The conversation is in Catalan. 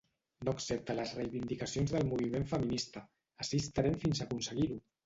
No accepta les reivindicacions del moviment feminista, ací estarem fins aconseguir-ho!